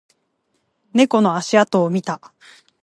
猫の足跡を見た